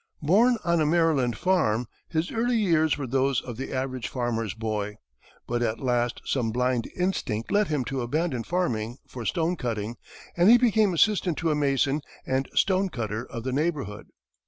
Born on a Maryland farm, his early years were those of the average farmer's boy, but at last some blind instinct led him to abandon farming for stonecutting, and he became assistant to a mason and stonecutter of the neighborhood.